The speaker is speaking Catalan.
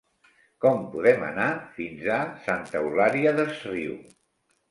Com podem anar fins a Santa Eulària des Riu?